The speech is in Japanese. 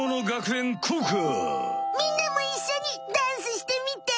みんなもいっしょにダンスしてみて！